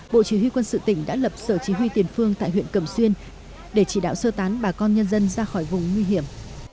bộ chỉ huy quân sự tỉnh đã lập sở chỉ huy tiền phương tại huyện cầm xuyên để chỉ đạo sơ tán bà con nhân dân ra khỏi vùng nguy hiểm